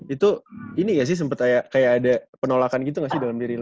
itu ini gak sih sempet kayak ada penolakan gitu gak sih dalam diri